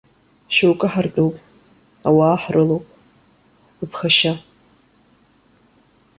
Шьоукы ҳартәуп, ауаа ҳрылоуп, быԥхашьа.